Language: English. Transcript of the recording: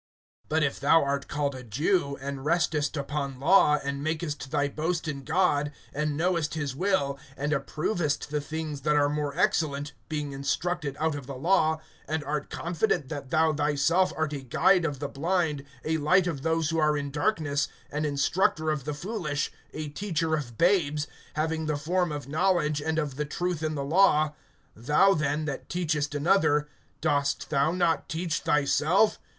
(17)But if thou art called a Jew, and restest upon law, and makest thy boast in God, (18)and knowest his will, and approvest the things that are more excellent, being instructed out of the law; (19)and art confident that thou thyself art a guide of the blind, a light of those who are in darkness, (20)an instructor of the foolish, a teacher of babes, having the form of knowledge and of the truth in the law; (21)thou then, that teachest another, dost thou not teach thyself?